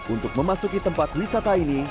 untuk memasuki tempat wisata ini